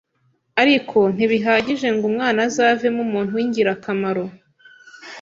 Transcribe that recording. ariko ntibihagije ngo umwana azavemo umuntu w’ingirakamaro